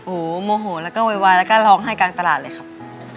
โอ้โหโมโหแล้วก็โวยวายแล้วก็ร้องไห้กลางตลาดเลยครับ